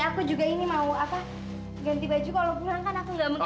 ya aku juga ini mau ganti baju kalau pulang kan aku gak mau